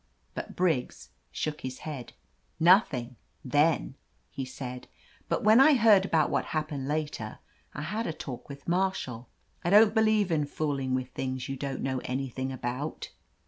But Briggs shook his head. "Nothing — then/' he said, "but when I heard about what happened later, I had a talk with MarshalJ. I don't believe in fooling with things you don't know anything about."